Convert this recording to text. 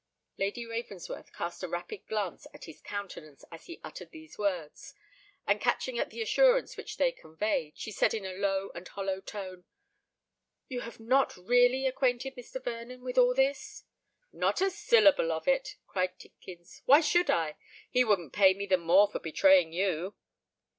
Lady Ravensworth cast a rapid glance at his countenance as he uttered these words; and catching at the assurance which they conveyed, she said in a low and hollow tone, "You have not really acquainted Mr. Vernon with all this?" "Not a syllable of it!" cried Tidkins. "Why should I? he wouldn't pay me the more for betraying you!"